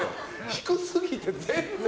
低すぎて、全然。